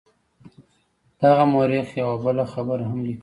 دغه مورخ یوه بله خبره هم لیکلې ده.